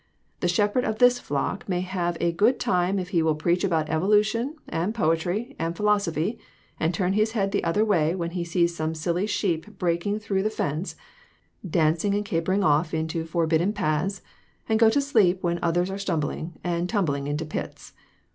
The shepherd of this flock may have a good time if he will preach about evolution, and poetry, and philosophy, and turn his head the other way when he sees some silly sheep breaking through the fence, dancing and capering off into forbidden paths ; and go to sleep when others are stumbling, and tumbling into pits.